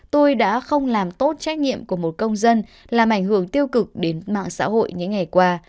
tôi đã không làm tốt trách nhiệm của một công dân làm ảnh hưởng tiêu cực đến mạng xã hội những ngày qua